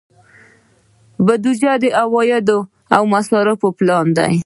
بودجه د عوایدو او مصارفو پلان دی